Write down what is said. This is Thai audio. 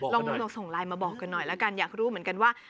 ลองส่งไลน์มาบอกกันหน่อยแล้วกันอยากรู้เหมือนกันว่า